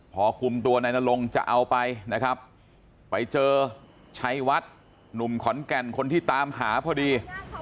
พอคุมตัวนายนรงค์จะเอาไปนะครับไปเจอชัยวัดหนุ่มขอนแก่นคนที่ตามหาพอดี